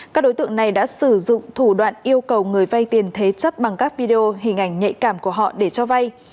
các đối tượng này đã sử dụng thủ đoạn yêu cầu người vay tiền thế chấp bằng các video hình ảnh nhạy cảm của họ để cho vay